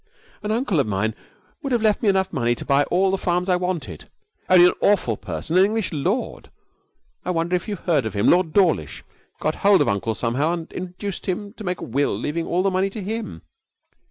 ' An uncle of mine would have left me enough money to buy all the farms I wanted, only an awful person, an English lord. I wonder if you have heard of him? Lord Dawlish got hold of uncle somehow and induced him to make a will leaving all the money to him.'